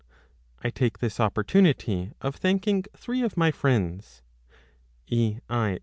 I take this opportunity of thanking three of my friends, E. I.